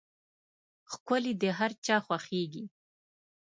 ښکلي د هر چا خوښېږي.